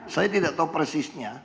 saya tidak tahu persisnya